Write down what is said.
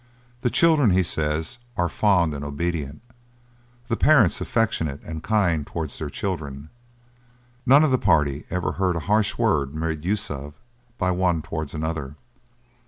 The children, he says, are fond and obedient, the parents affectionate and kind towards their children. None of the party ever heard a harsh word made use of by one towards another.